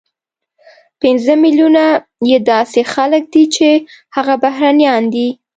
پنځه ملیونه یې داسې خلک دي چې هغه بهرنیان دي،